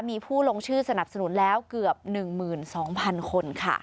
มีผู้ลงชื่อสนับสนุนแล้วเกือบ๑๒๐๐๐คนค่ะ